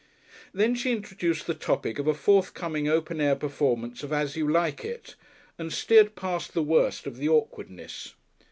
Then she introduced the topic of a forthcoming open air performance of "As You Like It," and steered past the worst of the awkwardness.